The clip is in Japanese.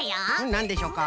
なんでしょうか？